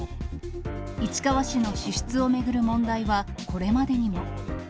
市川市の支出を巡る問題はこれまでにも。